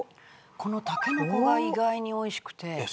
このタケノコが意外に美味しくて。